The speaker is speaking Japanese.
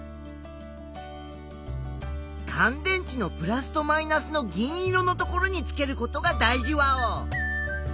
かん電池のプラスとマイナスの銀色のところにつけることが大じワオ！